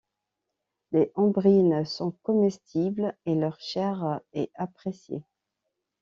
Les ombrines sont comestibles et leur chair est appréciée.